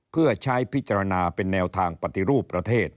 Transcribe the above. เพื่อใช้พิจารณาเป็นแนวทางปฏิรูปประเทศ